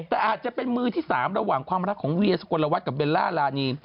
แต่อาจจะเป็นมือที่๓ระหว่างความรักของเวียสุกลวัตรกับเบลล่ารานี